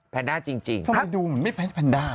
แพนด้าจริงทำไมดูมันไม่เหมือนแพนด้า